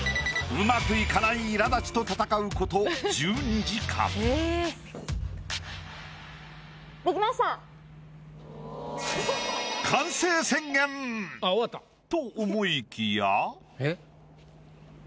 うまくいかないいら立ちと闘うこと。と思いきや。